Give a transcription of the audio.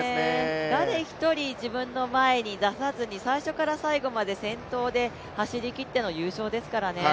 誰一人自分の前に出さずに最初から最後まで先頭で走りきっての優勝ですからね。